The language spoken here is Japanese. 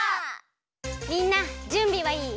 みんなじゅんびはいい？